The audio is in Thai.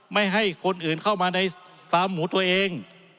ไม่ให้คนอื่นเข้ามาในฟาร์มหมูตัวเอง